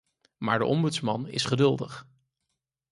Maar de ombudsman is geduldig.